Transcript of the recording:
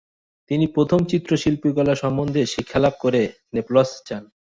তিনি প্রথম চিত্র শিল্পকলা সম্বন্ধে শিক্ষালাভ করে নেপলস যান।